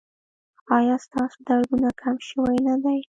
ایا ستاسو دردونه کم شوي نه دي؟